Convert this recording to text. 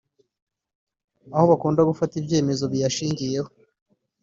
aho bakunda gufata ibyemezo biyashingiyeho